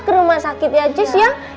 ke rumah sakit ya cus